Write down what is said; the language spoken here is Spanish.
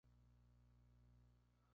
Son conocidas como águilas solitarias.